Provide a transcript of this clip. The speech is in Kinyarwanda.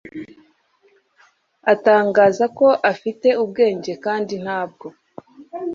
atangaza ko afite ubwenge, kandi ntabwo